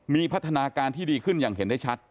มีพัฒนาการที่ดีขึ้นอย่างเห็นได้ชัด